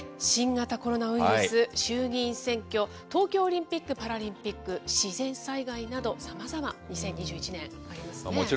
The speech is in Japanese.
新型コロナウイルス、衆議院選挙、東京オリンピック・パラリンピック、自然災害など、さまざま、２０２１年、ありますね。